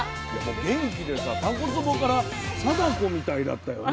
元気でさたこつぼから貞子みたいだったよね。